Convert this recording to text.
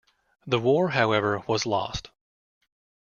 The war, however, was lost.